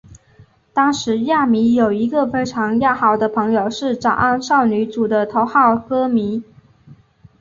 当时亚弥有一个非常要好的朋友是早安少女组的头号歌迷。